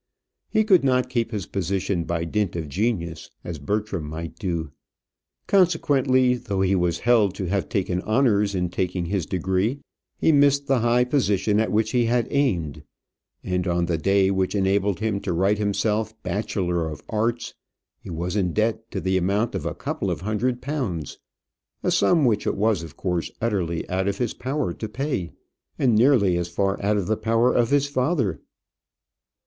He could not keep his position by dint of genius, as Bertram might do; consequently, though he was held to have taken honours in taking his degree, he missed the high position at which he had aimed; and on the day which enabled him to write himself bachelor of arts, he was in debt to the amount of a couple of hundred pounds, a sum which it was of course utterly out of his power to pay, and nearly as far out of the power of his father.